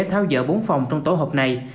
tháo dỡ bốn phòng trong tổ hợp này